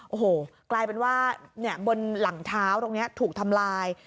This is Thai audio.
โอ้โหกลายเป็นว่าบนหลังเท้าตรงนี้ถูกทำลาย